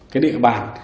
cái địa bàn